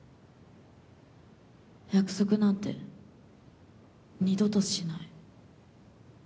約束なんて二度としない。